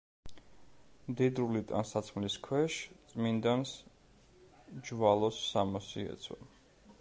მდიდრული ტანსაცმლის ქვეშ წმინდანს ჯვალოს სამოსი ეცვა.